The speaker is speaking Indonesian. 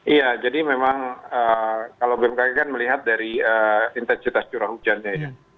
iya jadi memang kalau bmkg kan melihat dari intensitas curah hujannya ya